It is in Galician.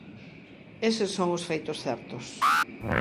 Eses son os feitos certos.